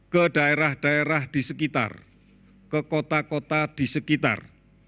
ke daerah daerah di sekitar ke kota kota di sekitar